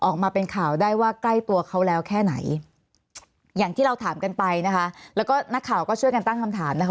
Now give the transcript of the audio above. ออกมาเป็นข่าวได้ว่าใกล้ตัวเขาแล้วแค่ไหนอย่างที่เราถามกันไปนะคะแล้วก็นักข่าวก็ช่วยกันตั้งคำถามนะคะ